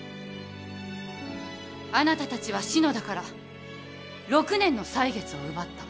あなたたちは篠田から６年の歳月を奪った。